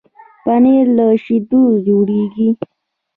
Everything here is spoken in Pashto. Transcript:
پنېر له شيدو جوړېږي.